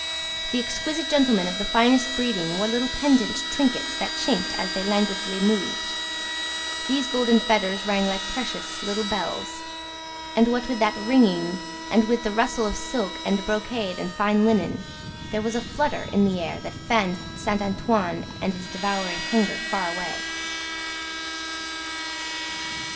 The exquisite gentlemen of the finest breeding wore little pendent trinkets that chinked as they languidly moved; these golden fetters rang like precious little bells; and what with that ringing, and with the rustle of silk and brocade and fine linen, there was a flutter in the air that fanned Saint Antoine and his devouring hunger far away.